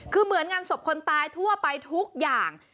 คือเหมือนงานศพคนตายทั่วไปทุกอย่าง